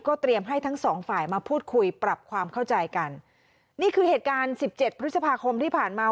เตรียมให้ทั้งสองฝ่ายมาพูดคุยปรับความเข้าใจกันนี่คือเหตุการณ์สิบเจ็ดพฤษภาคมที่ผ่านมา